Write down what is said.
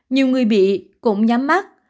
nhiều người bị cũng nhắm mắt